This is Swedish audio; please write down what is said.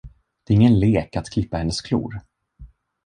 Det är ingen lek att klippa hennes klor!